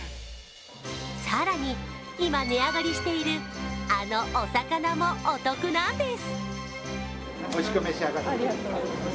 更に、今、値上がりしているあのお魚もお得なんです。